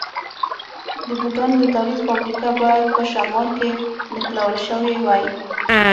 د بوټانو د تولید فابریکه باید په شمال کې نښلول شوې وای.